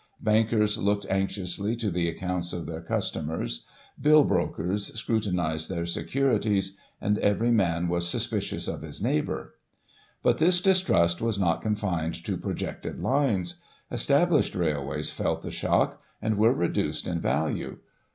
Bankers looked anxiously to the accounts of their customers ; bill brokers scrutinised their securities; and every man was suspicious of his neighbour. "But the distrust was not confined to projected lines. Established railways felt the shock, and were reduced in value.